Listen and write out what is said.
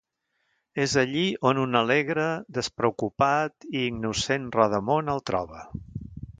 És allí on un alegre, despreocupat i innocent rodamón el troba.